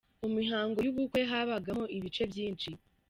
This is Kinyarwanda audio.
Mu mihango y’ubukwe habagamo ibice byinshi.